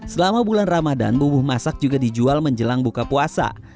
selama bulan ramadan bubuh masak juga dijual menjelang buka puasa